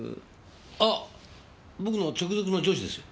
あ僕の直属の上司ですよ。